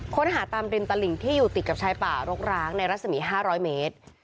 ค้นหาตามริมตลิ่งที่อยู่ติดกับชายป่ารกร้างในรัศมี๕๐๐เมตร